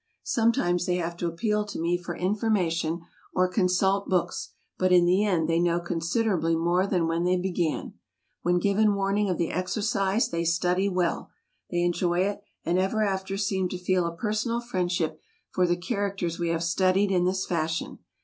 Sometimes they have to appeal to me for information, or consult books, but in the end they know considerably more than when they began. When given warning of the exercise, they study well. They enjoy it, and ever after seem to feel a personal friendship for the characters we have studied in this fashion.